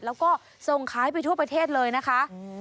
แล้วก็ส่งขายไปทั่วประเทศเลยนะคะ